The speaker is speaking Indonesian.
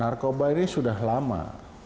narkoba ini sudah lama